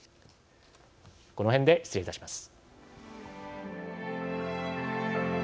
このへんで失礼いたします。